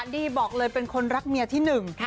ดี้บอกเลยเป็นคนรักเมียที่หนึ่ง